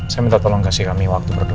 saya minta tolong kasih kami waktu berdua